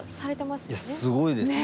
すごいですね。